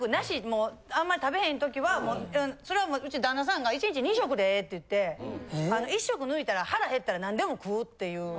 もうあんまり食べへん時はそれはもうウチ旦那さんが１日２食でええって言って１食抜いたら腹減ったら何でも食うっていう。